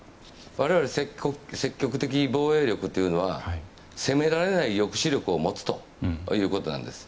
我々、積極的防衛力というのは攻められない抑止力を持つということなんです。